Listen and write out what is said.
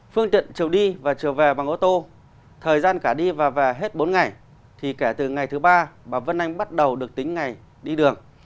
phương tiện trở đi và trở về bằng ô tô thời gian cả đi và về hết bốn ngày thì kể từ ngày thứ ba bà vân anh bắt đầu được tính ngày đi đường